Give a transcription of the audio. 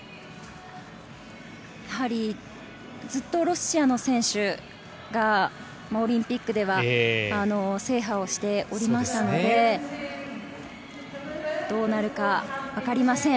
ずっとロシアの選手がオリンピックでは制覇をしていましたので、どうなるかわかりません。